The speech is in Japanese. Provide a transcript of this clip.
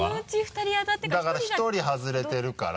だから１人外れてるから。